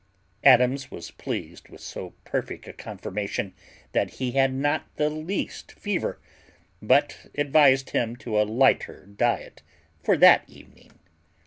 Adams was pleased with so perfect a confirmation that he had not the least fever, but advised him to a lighter diet for that evening.